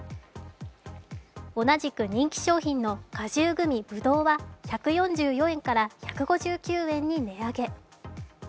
同じく人気商品の果汁グミぶどうは１４４円から１５９円に値上げ。